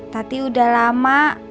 tati udah lama